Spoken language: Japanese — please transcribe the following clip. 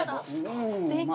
すてき。